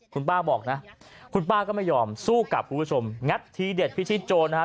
คุณป้าบอกนะคุณป้าก็ไม่ยอมสู้กลับคุณผู้ชมงัดทีเด็ดพิชิตโจรนะฮะ